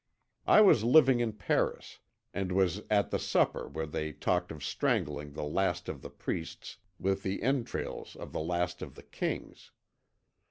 "I was living in Paris, and was at the supper where they talked of strangling the last of the priests with the entrails of the last of the kings.